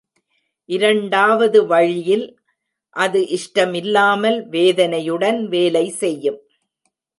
இரண்டாவது வழியில் அது இஷ்டமில்லாமல் வேதனையுடன் வேலை செய்யும்.